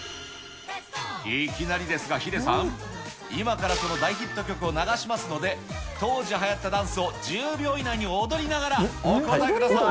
いきなりですが、ヒデさん、今から、その大ヒット曲を流しますので、当時はやったダンスを１０秒以内に踊りながら、お答えください。